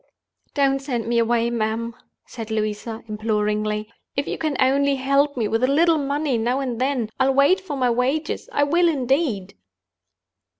"Don't send me away, ma'am!" said Louisa, imploringly. "If you can only help me with a little money now and then, I'll wait for my wages—I will, indeed."